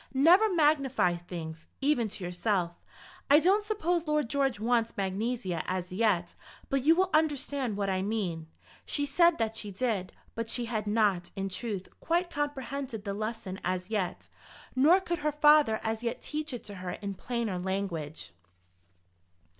Never magnify things, even to yourself. I don't suppose Lord George wants magnesia as yet, but you will understand what I mean." She said that she did; but she had not, in truth, quite comprehended the lesson as yet, nor could her father as yet teach it to her in plainer language.